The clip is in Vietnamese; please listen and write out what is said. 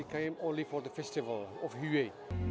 xin chào việt nam